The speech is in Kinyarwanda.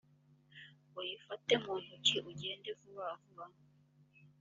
uyifate mu ntoki ugende vubavuba.